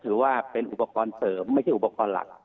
ถือว่าเป็นอุปกรณ์เสริมไม่ใช่อุปกรณ์หลัก